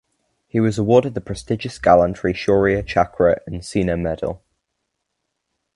He was awarded the prestigious gallantry Shaurya Chakra and Sena Medal.